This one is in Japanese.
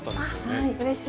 あうれしい。